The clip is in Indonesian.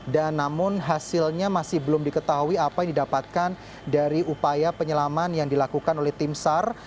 dan namun hasilnya masih belum diketahui apa yang didapatkan dari upaya penyelaman yang dilakukan oleh timsar